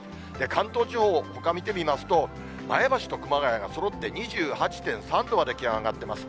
関東地方ほか見てみますと、前橋と熊谷がそろって２８．３度まで気温上がってます。